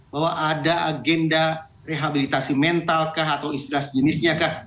bahwa ada agenda rehabilitasi mentalkah atau istilah jenisnya kah